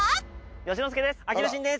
佳之介です。